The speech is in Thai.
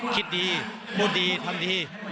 คิดดีพูดดีทำดี